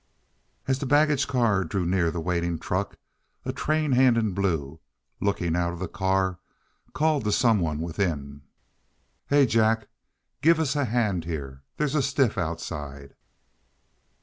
As the baggage car drew near the waiting truck a train hand in blue, looking out of the car, called to some one within. "Hey, Jack! Give us a hand here. There's a stiff outside!"